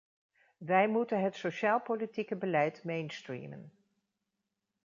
Wij moeten het sociaal-politieke beleid mainstreamen.